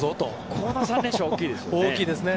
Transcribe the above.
この３連勝は大きいですね。